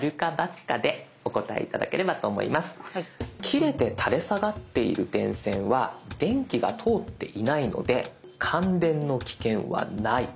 「切れて垂れ下がっている電線は電気が通っていないので感電の危険はない」。